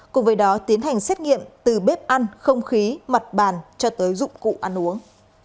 cùng với đó tiến hành xét nghiệm từ bếp ăn không khí mặt bàn cho tới dụng cụ ăn uống